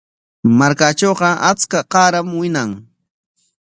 Markaatrawqa achka qaaram wiñan.